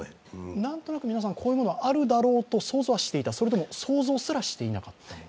何となく皆さん、こういうものはあるだろうと想像はしていた、それとも想像すらしていなかった？